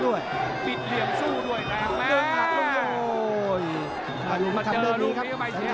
โอ้โหมาหลุมทำได้ดีครับ